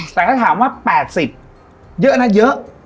แต่ถ้าถามว่า๘๐เยอะนะเยอะ